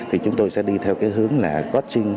thì chúng tôi sẽ đi theo hướng coaching